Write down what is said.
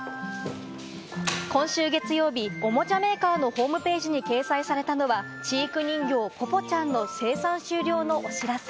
今週月曜日、おもちゃメーカーのホームページに掲載されたのは、知育人形・ぽぽちゃんの生産終了のお知らせ。